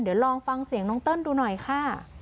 เดี๋ยวลองฟังเสียงน้องเติ้ลดูหน่อยค่ะ